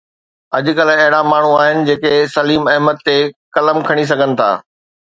اڄ ڪلهه اهڙا ماڻهو آهن جيڪي سليم احمد تي قلم کڻي سگهن ٿا.